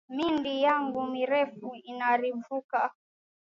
Mindi yangu ina refuka sana